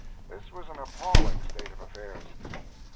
This was an appalling state of affairs.